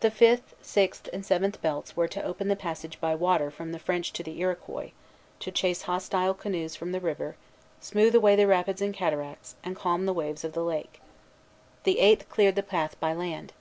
The fifth, sixth, and seventh belts were to open the passage by water from the French to the Iroquois, to chase hostile canoes from the river, smooth away the rapids and cataracts, and calm the waves of the lake. The eighth cleared the path by land.